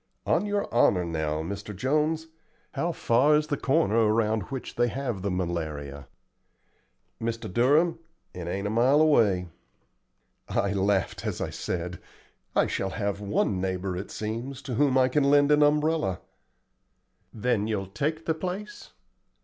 "On your honor now, Mr. Jones, how far is the corner around which they have the malaria?" "Mr. Durham, it ain't a mile away." I laughed as I said, "I shall have one neighbor, it seems, to whom I can lend an umbrella." "Then you'll take the place?"